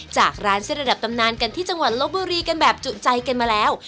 จากร้านเส้นระดับตำนานกันที่จังหวัดลบบุรีกันแบบจุใจกันมาแล้ว